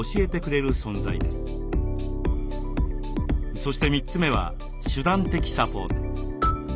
そして３つ目は手段的サポート。